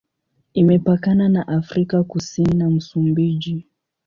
Imepakana na Afrika Kusini na Msumbiji.